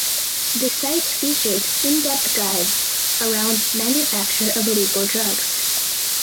The site features in depth guides around manufacture of illegal drugs.